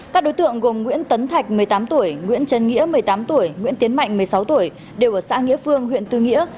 các đối tượng gồm nguyễn tấn thạch một mươi tám tuổi nguyễn trần nghĩa một mươi tám tuổi nguyễn tiến mạnh một mươi sáu tuổi đều ở xã nghĩa phương huyện tư nghĩa